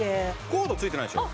コード付いてないでしょ？